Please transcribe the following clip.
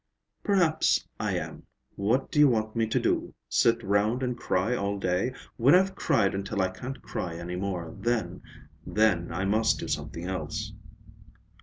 "Perhaps I am. What do you want me to do? Sit round and cry all day? When I've cried until I can't cry any more, then—then I must do something else."